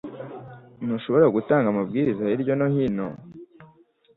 Ntushobora gutanga amabwiriza hirya no hino